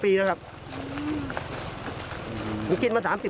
๓๐ปีแล้วครับมันกินมา๓๐ปี